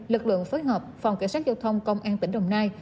lực lượng phối hợp phòng cảnh sát giao thông công an tỉnh đồng nai